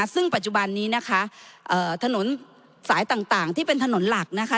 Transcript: ซึ่งปัจจุบันนี้นะคะถนนสายต่างที่เป็นถนนหลักนะคะ